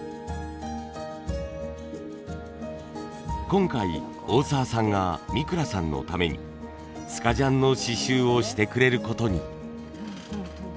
今回大澤さんが三倉さんのためにスカジャンの刺繍をしてくれる事に。